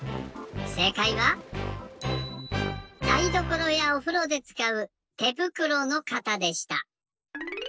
せいかいはだいどころやおふろでつかうてぶくろの型でした。